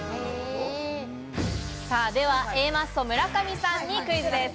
では、Ａマッソ・村上さんにクイズです。